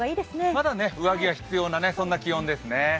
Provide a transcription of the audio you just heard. まだ上着が必要な、そんな気温ですね。